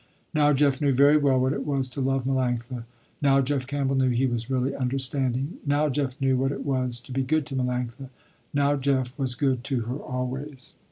Now Jeff knew very well what it was to love Melanctha. Now Jeff Campbell knew he was really understanding. Now Jeff knew what it was to be good to Melanctha. Now Jeff was good to her always.